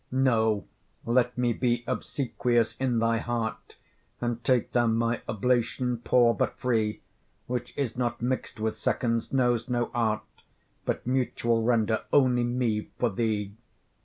No; let me be obsequious in thy heart, And take thou my oblation, poor but free, Which is not mix'd with seconds, knows no art, But mutual render, only me for thee.